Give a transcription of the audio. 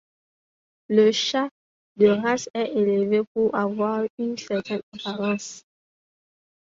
Le chat de race est élevé pour avoir une certaine apparence.